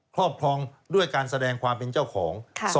ครอบครองด้วยการแสดงความเป็นเจ้าของ